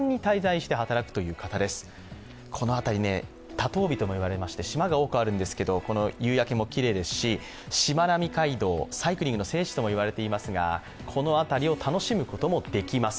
多島美とも言われまして、島が多くあるんですけど、夕焼けもきれいですし、しまなみ海道、サイクリングの聖地ともいわれていますがこの辺りを楽しむこともできます。